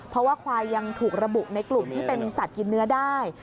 เพราะว่าควายยังถูกระบุในกลุ่มที่เป็นสัตว์กินเนื้อได้